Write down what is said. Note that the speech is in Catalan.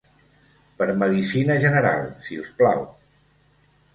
Per medicina general, si us plau.